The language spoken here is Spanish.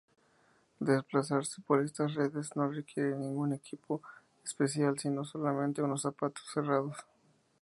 Desplazarse por estas redes no requiere ningún equipo especial sino solamente unos zapatos cerrados.